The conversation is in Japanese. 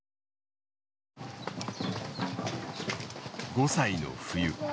５歳の冬。